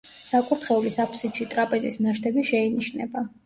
საკურთხევლის აფსიდში ტრაპეზის ნაშთები შეინიშნება.